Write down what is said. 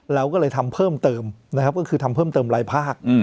เราก็เลยทำเพิ่มเติมนะครับก็คือทำเพิ่มเติมรายภาค